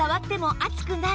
熱くない！